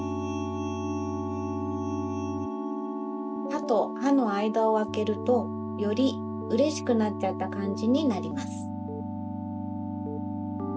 はとはのあいだをあけるとよりうれしくなっちゃったかんじになります。